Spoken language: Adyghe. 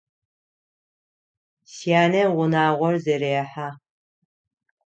Сянэ унагъор зэрехьэ.